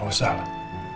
gak usah lah